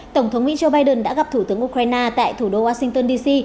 tổng thống mỹ joe biden đã gặp thủ tướng ukraine tại thủ đô washington dc